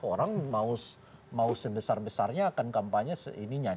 orang mau sebesar besarnya akan kampanye se ini nya